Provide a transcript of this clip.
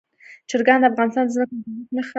چرګان د افغانستان د ځمکې د جوړښت نښه ده.